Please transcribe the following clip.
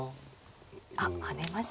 あっ跳ねました。